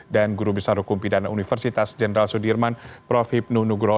dan guru besar hukum pidan universitas jenderal sudirman prof hipnu nugro